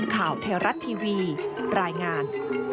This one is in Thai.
ข่าวไทยรัฐทีวีรายงาน